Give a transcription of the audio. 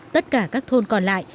tất cả các thôn còn lại